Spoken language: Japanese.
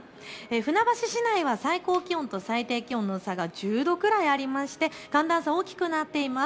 船橋市内は最高気温と最低気温の差が１０度くらいありまして、寒暖差、大きくなっています。